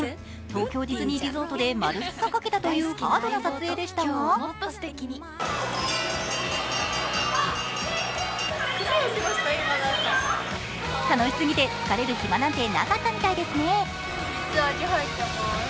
東京ディズニーリゾートで丸２日かけたというハードな撮影でしたが楽しすぎて疲れる暇なんてなかったみたいですね。